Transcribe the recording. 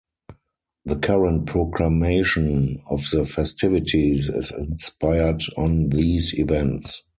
The current proclamation of the festivities is inspired on these events.